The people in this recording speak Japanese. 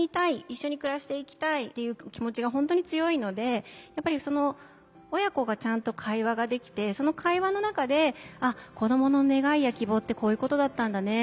一緒に暮らしていきたいという気持ちが本当に強いのでやっぱり親子がちゃんと会話ができてその会話の中で「子どもの願いや希望ってこういうことだったんだね」。